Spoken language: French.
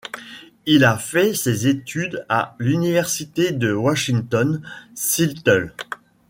Il a fait ses études à l'Université de Washington, Seattle.